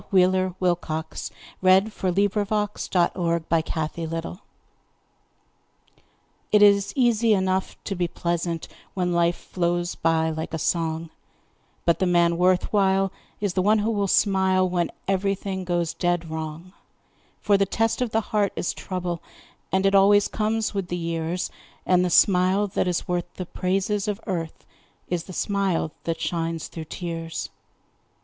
122040Poems of Cheer — Worth while1914Ella Wheeler Wilcox It is easy enough to be pleasant When life flows by like a song, But the man worth while is the one who will smile When everything goes dead wrong. For the test of the heart is trouble, And it always comes with the years, And the smile that is worth the praises of earth Is the smile that shines through tears.